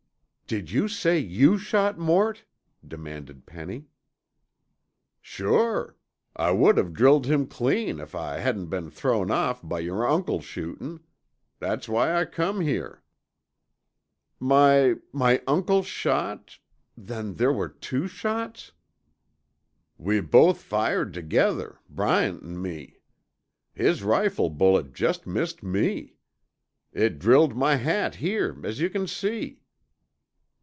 "Did you say you shot Mort?" demanded Penny. "Sure! I would have drilled him clean if I hadn't been thrown off by yer uncle's shootin'. That's why I come here." "My my uncle's shot ... then there were two shots?" "We both fired tuhgether, Bryant an' me. His rifle bullet jest missed me. It drilled my hat here, as you c'n see."